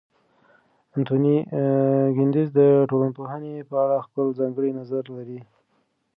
انتوني ګیدنز د ټولنپوهنې په اړه خپل ځانګړی نظر لري.